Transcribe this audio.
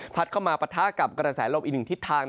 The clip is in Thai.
เข้ามาปะทะกับกระแสลมอีกหนึ่งทิศทาง